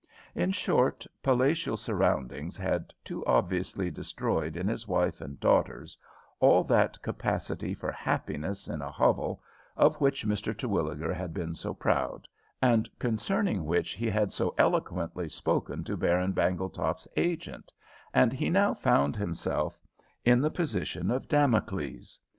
In short, palatial surroundings had too obviously destroyed in his wife and daughters all that capacity for happiness in a hovel of which Mr. Terwilliger had been so proud, and concerning which he had so eloquently spoken to Baron Bangletop's agent, and he now found himself in the position of Damocles.